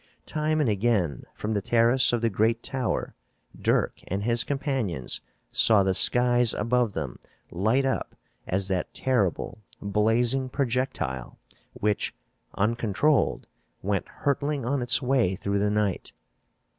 Time and again, from the terrace of the great tower, Dirk and his companions saw the skies above them light up as that terrible, blazing, projectile which, uncontrolled, went hurtling on its way through the night.